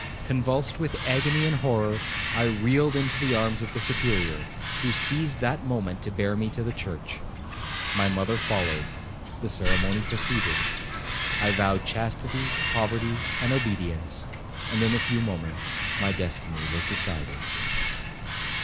Convulsed with agony and horror, I reeled into the arms of the Superior, who seized that moment to bear me to the church. My mother followed,—the ceremony proceeded. I vowed chastity, poverty, and obedience, and in a few moments my destiny was decided.